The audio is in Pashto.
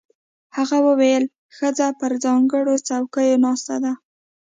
هغه وویل ښځه پر ځانګړو څوکیو ناسته ده.